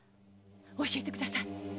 教えてください。